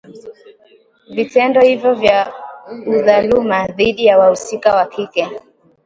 Vitendo hivyo vya udhaluma dhidi ya wahusika wa kike